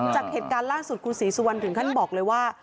จากเหตุการณ์ล่าสุดคุณศรีสุวรรณถึงขั้นบอกเลยว่า